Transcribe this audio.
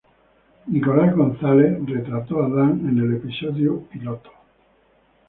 Nicholas Gonzalez retrató a Dan en el episodio piloto.